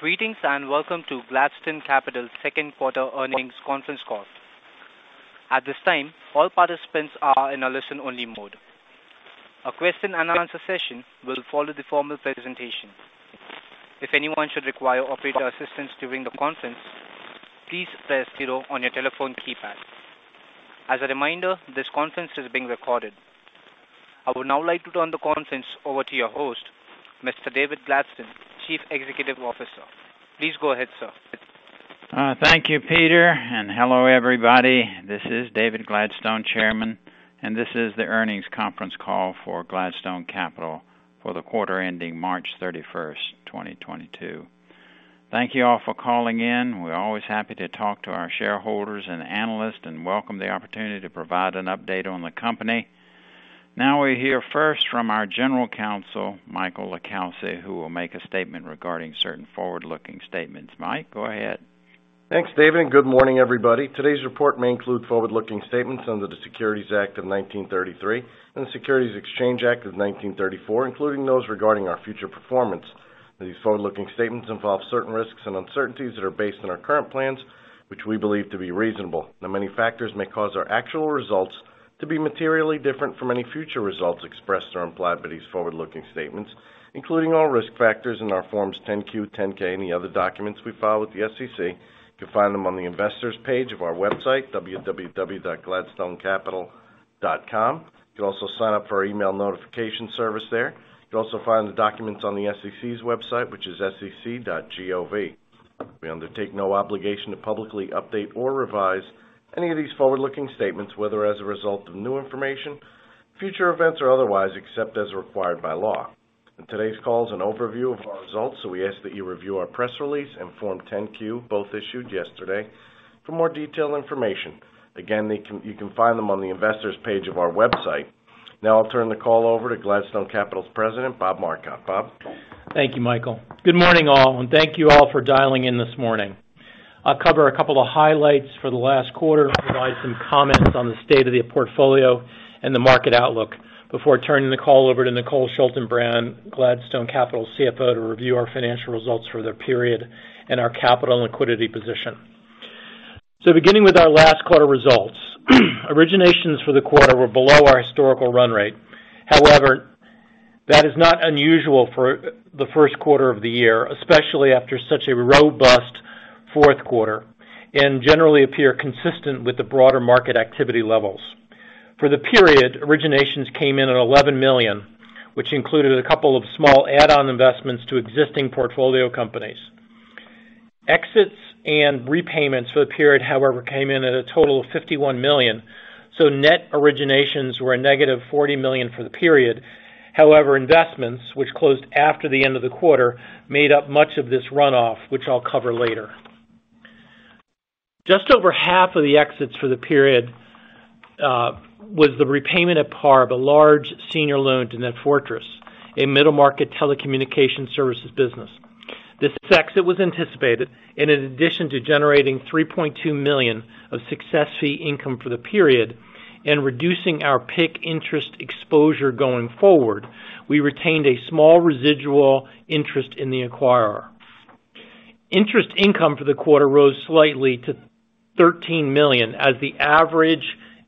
Greetings, and welcome to Gladstone Capital's Second Quarter Earnings Conference Call. At this time, all participants are in a listen-only mode. A question and answer session will follow the formal presentation. If anyone should require operator assistance during the conference, please press zero on your telephone keypad. As a reminder, this conference is being recorded. I would now like to turn the conference over to your host, Mr. David Gladstone, Chief Executive Officer. Please go ahead, sir. Thank you, Peter, and hello, everybody. This is David Gladstone, Chairman, and this is the Earnings Conference Call for Gladstone Capital for the quarter ending March 31, 2022. Thank you all for calling in. We're always happy to talk to our shareholders and analysts and welcome the opportunity to provide an update on the company. Now we hear first from our General Counsel, Michael LiCalsi, who will make a statement regarding certain forward-looking statements. Mike, go ahead. Thanks, David, and good morning, everybody. Today's report may include forward-looking statements under the Securities Act of 1933 and the Securities Exchange Act of 1934, including those regarding our future performance. These forward-looking statements involve certain risks and uncertainties that are based on our current plans, which we believe to be reasonable. Many factors may cause our actual results to be materially different from any future results expressed or implied by these forward-looking statements, including all risk factors in our Forms 10-Q, 10-K, any other documents we file with the SEC. You can find them on the investors page of our website, www.gladstonecapital.com. You can also sign up for our email notification service there. You can also find the documents on the SEC's website, which is sec.gov. We undertake no obligation to publicly update or revise any of these forward-looking statements, whether as a result of new information, future events, or otherwise, except as required by law. Today's call is an overview of our results, so we ask that you review our press release and Form 10-Q, both issued yesterday, for more detailed information. Again, you can find them on the investors page of our website. Now I'll turn the call over to Gladstone Capital's president, Bob Marcotte. Bob. Thank you, Michael. Good morning, all, and thank you all for dialing in this morning. I'll cover a couple of highlights for the last quarter, provide some comments on the state of the portfolio and the market outlook before turning the call over to Nicole Schaltenbrand, Gladstone Capital CFO, to review our financial results for the period and our capital and liquidity position. Beginning with our last quarter results, originations for the quarter were below our historical run rate. However, that is not unusual for the first quarter of the year, especially after such a robust fourth quarter, and generally appear consistent with the broader market activity levels. For the period, originations came in at $11 million, which included a couple of small add-on investments to existing portfolio companies. Exits and repayments for the period, however, came in at a total of $51 million, so net originations were a $-40 million for the period. However, investments which closed after the end of the quarter made up much of this runoff, which I'll cover later. Just over half of the exits for the period was the repayment at par of a large senior loan to NetFortris, a middle market telecommunication services business. This exit was anticipated, and in addition to generating $3.2 million of success fee income for the period, and reducing our PIK interest exposure going forward, we retained a small residual interest in the acquirer. Interest income for the quarter rose slightly to $13 million as the average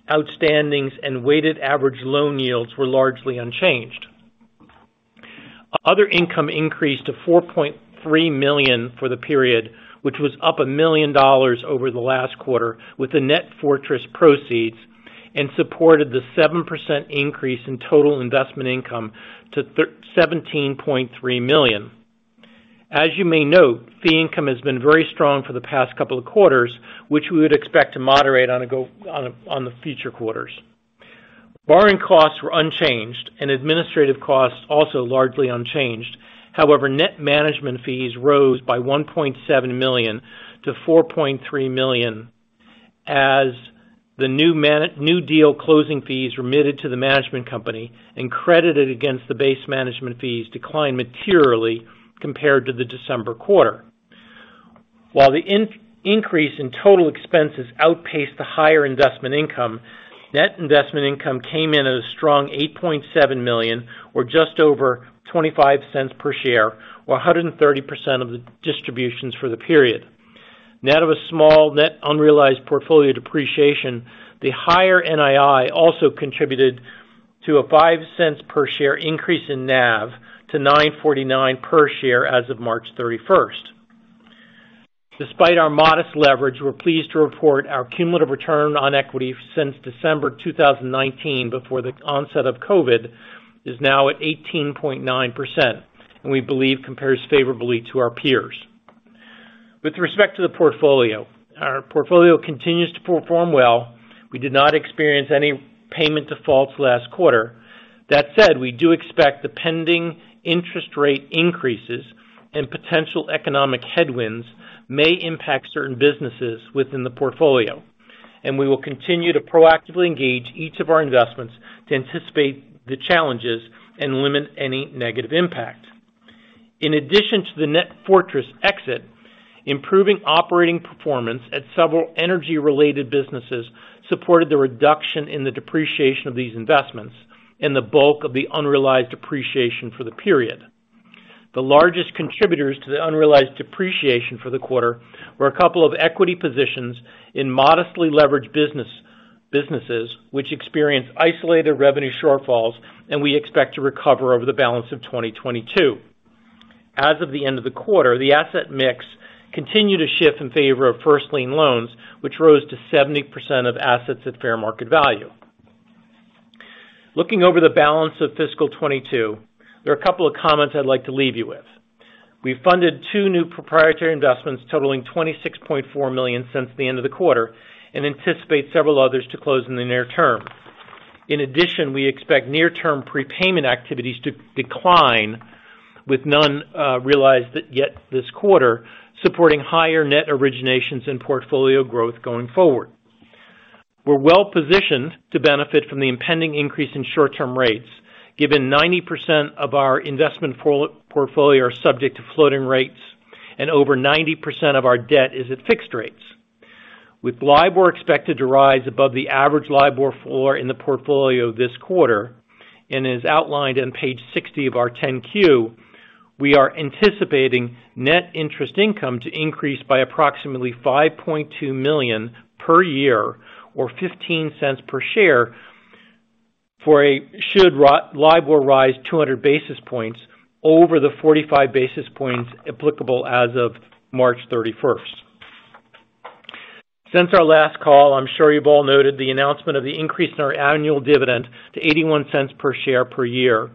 outstandings and weighted average loan yields were largely unchanged. Other income increased to $4.3 million for the period, which was up $1 million over the last quarter with the NetFortris proceeds and supported the 7% increase in total investment income to $17.3 million. As you may note, fee income has been very strong for the past couple of quarters, which we would expect to moderate on the future quarters. Borrowing costs were unchanged and administrative costs also largely unchanged. However, net management fees rose by $1.7 million-$4.3 million as the new deal closing fees remitted to the management company and credited against the base management fees declined materially compared to the December quarter. While the increase in total expenses outpaced the higher investment income, net investment income came in at a strong $8.7 million or just over $0.25 per share or 130% of the distributions for the period. Net of a small net unrealized portfolio depreciation, the higher NII also contributed to a $0.05 per share increase in NAV to $9.49 per share as of March 31. Despite our modest leverage, we're pleased to report our cumulative return on equity since December 2019, before the onset of Covid, is now at 18.9% and we believe compares favorably to our peers. With respect to the portfolio, our portfolio continues to perform well. We did not experience any payment defaults last quarter. That said, we do expect the pending interest rate increases and potential economic headwinds may impact certain businesses within the portfolio, and we will continue to proactively engage each of our investments to anticipate the challenges and limit any negative impact. In addition to the NetFortris exit. Improving operating performance at several energy-related businesses supported the reduction in the depreciation of these investments and the bulk of the unrealized depreciation for the period. The largest contributors to the unrealized depreciation for the quarter were a couple of equity positions in modestly leveraged business, businesses which experienced isolated revenue shortfalls and we expect to recover over the balance of 2022. As of the end of the quarter, the asset mix continued to shift in favor of first lien loans, which rose to 70% of assets at fair market value. Looking over the balance of fiscal 2022, there are a couple of comments I'd like to leave you with. We funded two new proprietary investments totaling $26.4 million since the end of the quarter and anticipate several others to close in the near term. In addition, we expect near-term prepayment activities to decline, with none realized yet this quarter, supporting higher net originations and portfolio growth going forward. We're well-positioned to benefit from the impending increase in short-term rates, given 90% of our investment portfolio are subject to floating rates and over 90% of our debt is at fixed rates. With LIBOR expected to rise above the average LIBOR floor in the portfolio this quarter, and as outlined on page 60 of our 10-Q, we are anticipating net interest income to increase by approximately $5.2 million per year or $0.15 per share should LIBOR rise 200 basis points over the 45 basis points applicable as of March 31. Since our last call, I'm sure you've all noted the announcement of the increase in our annual dividend to $0.81 per share per year.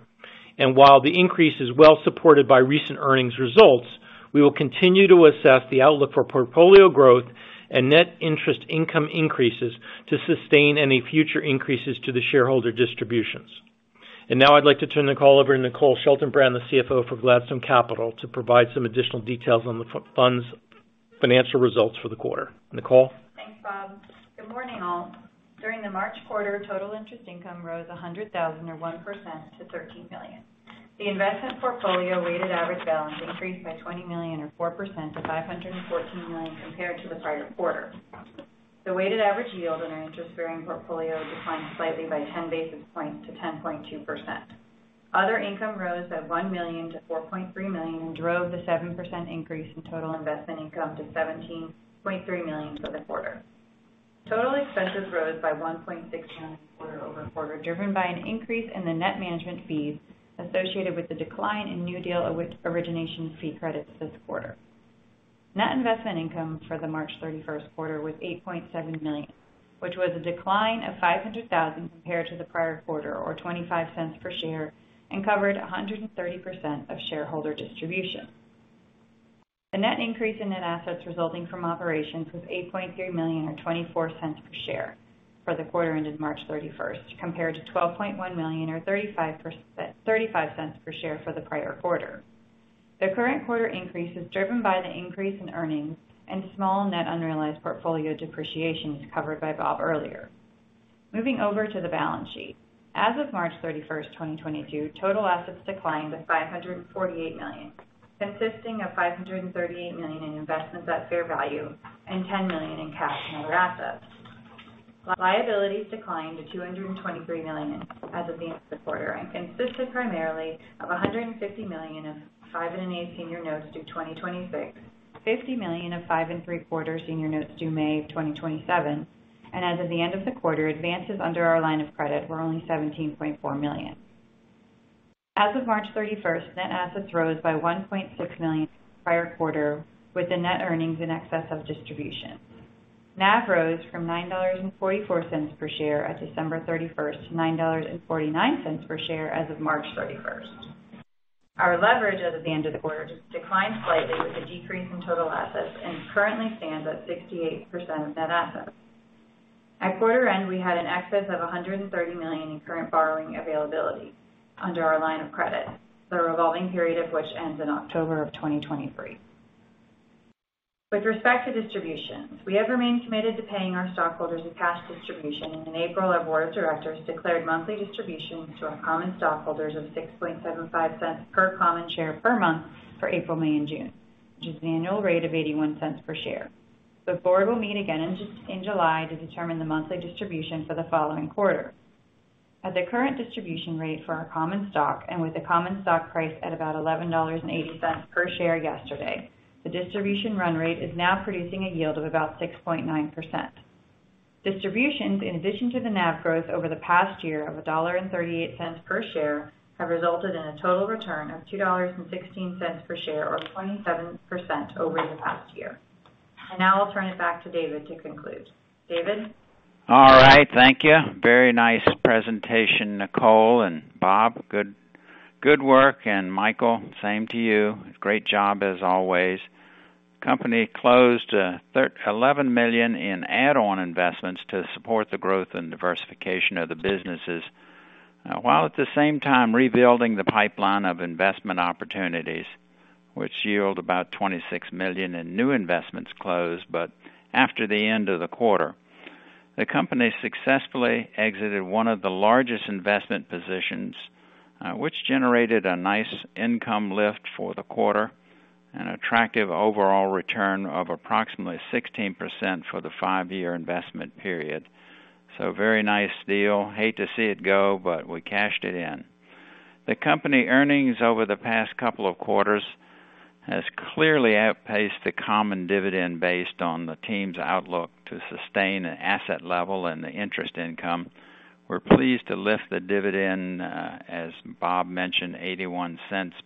While the increase is well supported by recent earnings results, we will continue to assess the outlook for portfolio growth and net interest income increases to sustain any future increases to the shareholder distributions. Now I'd like to turn the call over to Nicole Schaltenbrand, the CFO for Gladstone Capital, to provide some additional details on the funds' financial results for the quarter. Nicole? Thanks, Bob. Good morning, all. During the March quarter, total interest income rose $100,000 or 1% to $13 million. The investment portfolio weighted average balance increased by $20 million or 4% to $514 million compared to the prior quarter. The weighted average yield on our interest-bearing portfolio declined slightly by 10 basis points to 10.2%. Other income rose by $1 million to $4.3 million and drove the 7% increase in total investment income to $17.3 million for the quarter. Total expenses rose by $1.6 million quarter-over-quarter, driven by an increase in the net management fees associated with the decline in new deal origination fee credits this quarter. Net investment income for the March 31 quarter was $8.7 million, which was a decline of $500,000 compared to the prior quarter or 25 cents per share, and covered 130% of shareholder distribution. The net increase in net assets resulting from operations was $8.3 million or 24 cents per share for the quarter ended March 31, compared to $12.1 million or 35 cents per share for the prior quarter. The current quarter increase is driven by the increase in earnings and small net unrealized portfolio depreciation as covered by Bob earlier. Moving over to the balance sheet. As of March 31, 2022, total assets declined to $548 million, consisting of $538 million in investments at fair value and $10 million in cash and other assets. Liabilities declined to $223 million as of the end of the quarter and consisted primarily of $150 million of 5.125% senior notes due 2026, $50 million of 5 3/4% senior notes due May 2027. As of the end of the quarter, advances under our line of credit were only $17.4 million. As of March 31, net assets rose by $1.6 million prior quarter with the net earnings in excess of distribution. NAV rose from $9.44 per share at December 31 to $9.49 per share as of March 31. Our leverage as of the end of the quarter just declined slightly with a decrease in total assets and currently stands at 68% of net assets. At quarter end, we had an excess of $130 million in current borrowing availability under our line of credit, the revolving period of which ends in October 2023. With respect to distributions, we have remained committed to paying our stockholders a cash distribution, and in April, our board of directors declared monthly distributions to our common stockholders of $0.0675 per common share per month for April, May, and June, which is an annual rate of $0.81 per share. The board will meet again in July to determine the monthly distribution for the following quarter. At the current distribution rate for our common stock and with the common stock price at about $11.80 per share yesterday, the distribution run rate is now producing a yield of about 6.9%. Distributions in addition to the NAV growth over the past year of $1.38 per share have resulted in a total return of $2.16 per share or 27% over the past year. Now I'll turn it back to David to conclude. David? All right. Thank you. Very nice presentation, Nicole and Bob. Good work. Michael, same to you. Great job as always. Company closed $11 million in add-on investments to support the growth and diversification of the businesses, while at the same time rebuilding the pipeline of investment opportunities which yield about $26 million in new investments closed, but after the end of the quarter. The company successfully exited one of the largest investment positions, which generated a nice income lift for the quarter, an attractive overall return of approximately 16% for the five year investment period. Very nice deal. Hate to see it go, but we cashed it in. The company earnings over the past couple of quarters has clearly outpaced the common dividend based on the team's outlook to sustain an asset level and the interest income. We're pleased to lift the dividend, as Bob mentioned, $0.81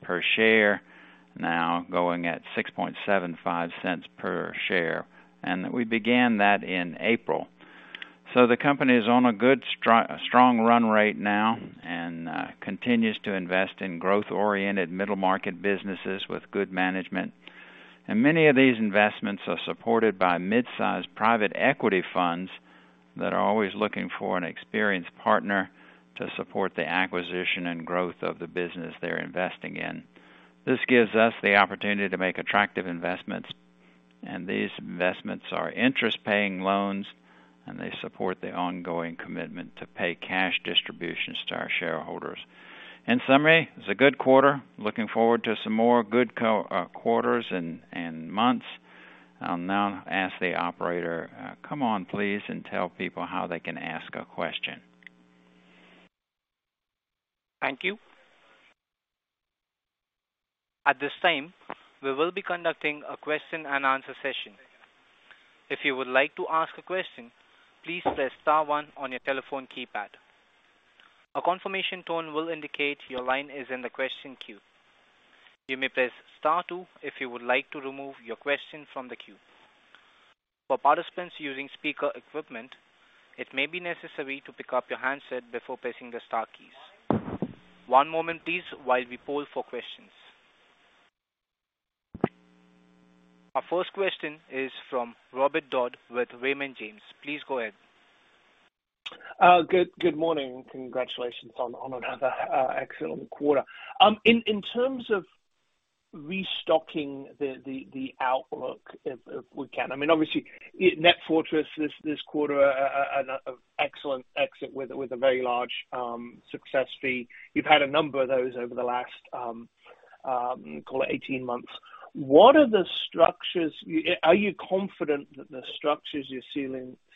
per share, now going at $0.675 per share. We began that in April. The company is on a good strong run rate now and continues to invest in growth-oriented middle market businesses with good management. Many of these investments are supported by mid-sized private equity funds that are always looking for an experienced partner to support the acquisition and growth of the business they're investing in. This gives us the opportunity to make attractive investments, and these investments are interest-paying loans, and they support the ongoing commitment to pay cash distributions to our shareholders. In summary, it's a good quarter. Looking forward to some more good quarters and months. I'll now ask the operator, come on, please, and tell people how they can ask a question. Thank you. At this time, we will be conducting a question and answer session. If you would like to ask a question, please press star one on your telephone keypad. A confirmation tone will indicate your line is in the question queue. You may press star two if you would like to remove your question from the queue. For participants using speaker equipment, it may be necessary to pick up your handset before pressing the star keys. One moment please while we poll for questions. Our first question is from Robert Dodd with Raymond James. Please go ahead. Good morning, and congratulations on another excellent quarter. In terms of restocking the outlook, if we can. I mean, obviously NetFortris this quarter an excellent exit with a very large success fee. You've had a number of those over the last, call it 18 months. What are the structures? Are you confident that the structures you're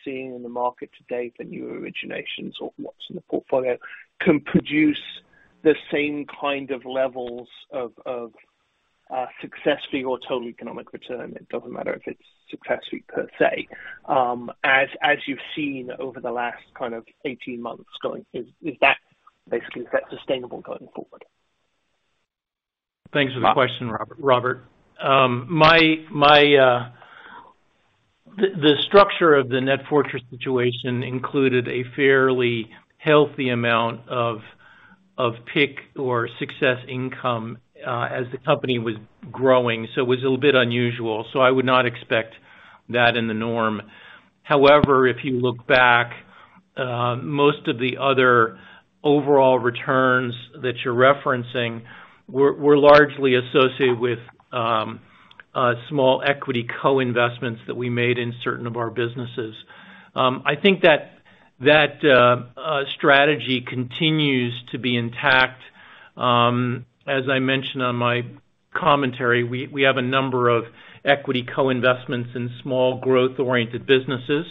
seeing in the market to date, the new originations or what's in the portfolio, can produce the same kind of levels of success fee or total economic return? It doesn't matter if it's success fee per se, as you've seen over the last kind of 18 months going. Is that basically sustainable going forward? Thanks for the question, Robert. The structure of the NetFortris situation included a fairly healthy amount of PIK or success income as the company was growing, so it was a little bit unusual. I would not expect that in the norm. However, if you look back, most of the other overall returns that you're referencing were largely associated with small equity co-investments that we made in certain of our businesses. I think that strategy continues to be intact. As I mentioned on my commentary, we have a number of equity co-investments in small growth-oriented businesses.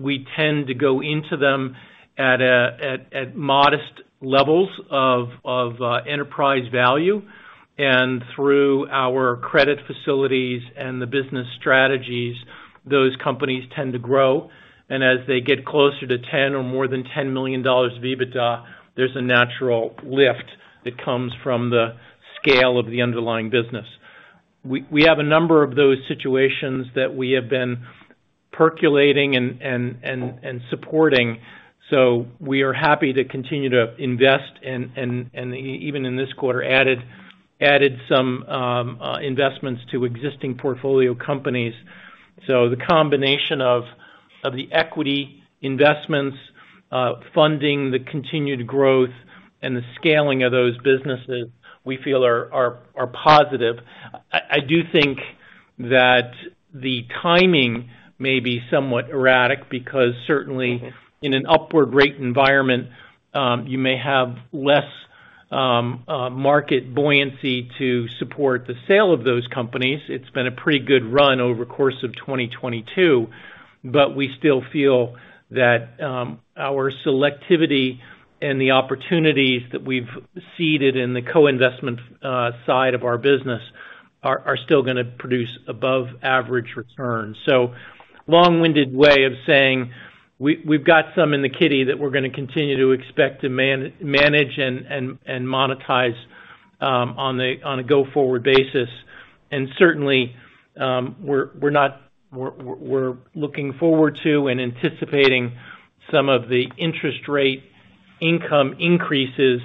We tend to go into them at a modest levels of enterprise value. Through our credit facilities and the business strategies, those companies tend to grow. As they get closer to $10 million or more than $10 million of EBITDA, there's a natural lift that comes from the scale of the underlying business. We have a number of those situations that we have been percolating and supporting. We are happy to continue to invest and even in this quarter added some investments to existing portfolio companies. The combination of the equity investments funding the continued growth and the scaling of those businesses we feel are positive. I do think that the timing may be somewhat erratic because certainly in an upward rate environment, you may have less market buoyancy to support the sale of those companies. It's been a pretty good run over the course of 2022, but we still feel that our selectivity and the opportunities that we've seeded in the co-investment side of our business are still gonna produce above average returns. So long-winded way of saying we've got some in the kitty that we're gonna continue to expect to manage and monetize on a go-forward basis. Certainly, we're looking forward to and anticipating some of the interest rate income increases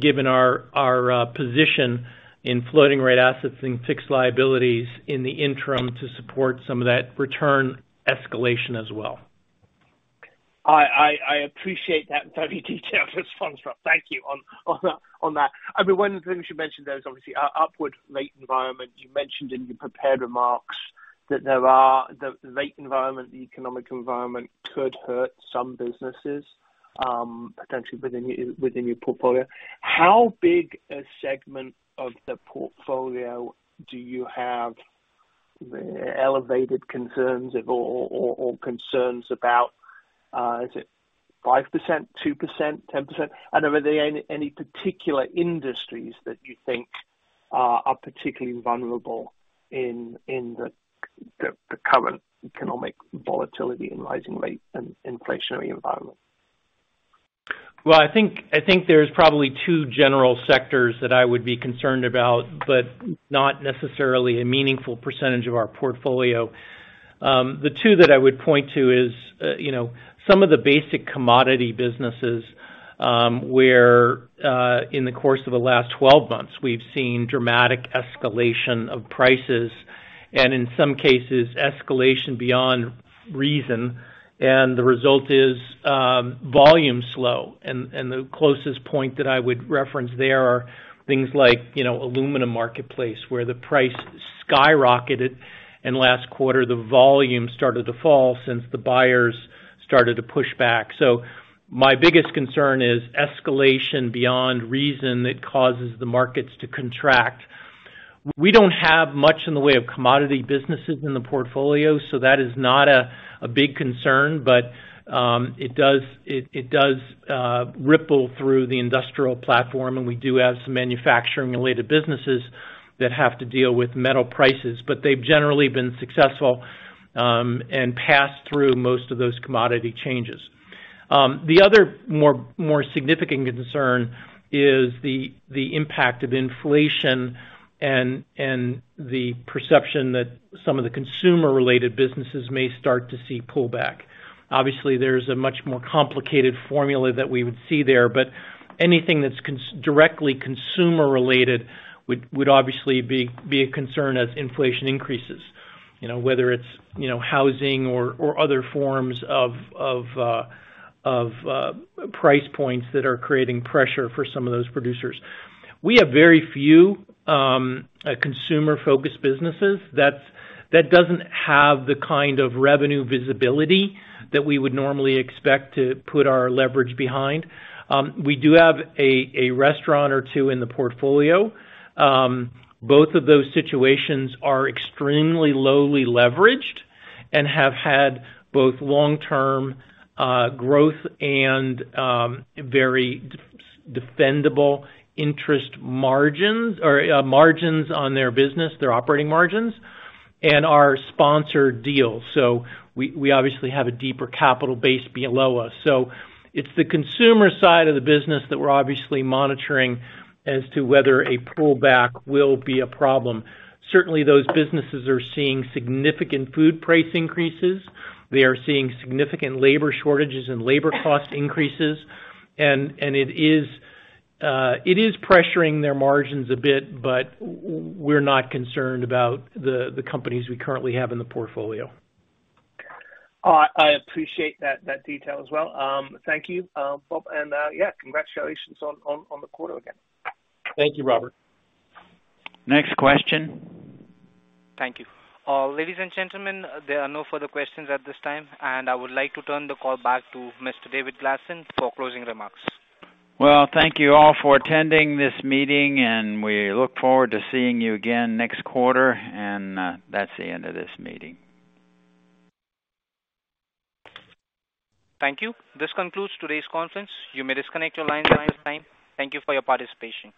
given our position in floating rate assets and fixed liabilities in the interim to support some of that return escalation as well. I appreciate that very detailed response. Thank you on that. I mean, one of the things you mentioned there is obviously a upward rate environment you mentioned in your prepared remarks. That the rate environment, the economic environment could hurt some businesses, potentially within your portfolio. How big a segment of the portfolio do you have elevated concerns of or concerns about, is it 5%, 2%, 10%? Are there any particular industries that you think are particularly vulnerable in the current economic volatility and rising rate and inflationary environment? Well, I think there's probably two general sectors that I would be concerned about, but not necessarily a meaningful percentage of our portfolio. The two that I would point to is, you know, some of the basic commodity businesses, where, in the course of the last 12 months, we've seen dramatic escalation of prices and in some cases, escalation beyond reason. The result is volume slowdown. The closest point that I would reference there are things like, you know, aluminum marketplace, where the price skyrocketed. In last quarter, the volume started to fall since the buyers started to push back. My biggest concern is escalation beyond reason that causes the markets to contract. We don't have much in the way of commodity businesses in the portfolio, so that is not a big concern. It does ripple through the industrial platform, and we do have some manufacturing related businesses that have to deal with metal prices. They've generally been successful and passed through most of those commodity changes. The other more significant concern is the impact of inflation and the perception that some of the consumer related businesses may start to see pullback. Obviously, there's a much more complicated formula that we would see there, but anything that's directly consumer related would obviously be a concern as inflation increases, you know, whether it's, you know, housing or other forms of price points that are creating pressure for some of those producers. We have very few consumer-focused businesses that doesn't have the kind of revenue visibility that we would normally expect to put our leverage behind. We do have a restaurant or two in the portfolio. Both of those situations are extremely lowly leveraged and have had both long-term growth and very defendable interest margins or margins on their business, their operating margins and are sponsored deals. We obviously have a deeper capital base below us. It's the consumer side of the business that we're obviously monitoring as to whether a pullback will be a problem. Certainly, those businesses are seeing significant food price increases. They are seeing significant labor shortages and labor cost increases. It is pressuring their margins a bit, but we're not concerned about the companies we currently have in the portfolio. I appreciate that detail as well. Thank you, Bob, and yeah, congratulations on the quarter again. Thank you, Robert. Next question. Thank you. Ladies and gentlemen, there are no further questions at this time, and I would like to turn the call back to Mr. David Gladstone for closing remarks. Well, thank you all for attending this meeting, and we look forward to seeing you again next quarter. That's the end of this meeting. Thank you. This concludes today's conference. You may disconnect your lines at this time. Thank you for your participation.